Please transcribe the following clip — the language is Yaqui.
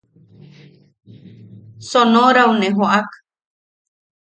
Sonorau ne joʼak.